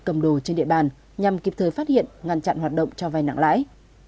cầm đồ trên địa bàn nhằm kịp thời phát hiện ngăn chặn hoạt động cho vai nặng lãi